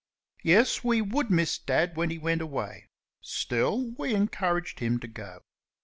Yes; we would miss Dad when he went away. Still, we encouraged him to go.